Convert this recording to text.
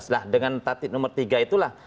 nah dengan tatib nomor tiga itulah